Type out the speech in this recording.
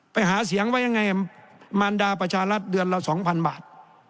ไปหาเสียงไว้ยังไงมารดาประชารัฐเดือนละ๒๐๐บาท